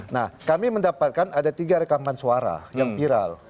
nah kami mendapatkan ada tiga rekaman suara yang viral